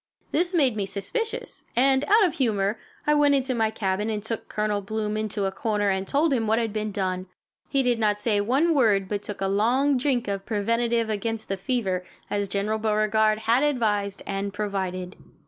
This made me suspicious, and, out of humor, I went into my cabin and took Colonel Bloom into a corner and told him what had been done. He did not say one word but took a long drink of preventive against the fever, as General Beauregard had advised and provided.